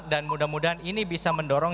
dan mudah mudahan ini bisa mendorong